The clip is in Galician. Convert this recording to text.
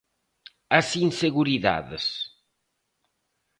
As inseguridades.